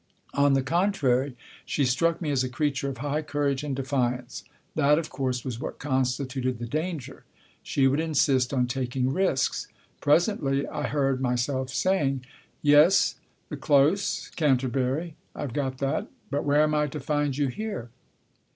On the contrary, she struck me as a creature of high courage and defiance. That, of course, was what constituted the danger. She would insist on taking risks. Presently I heard myself saying, " Yes, the Close, Canterbury. I've got that. But where am I to find you here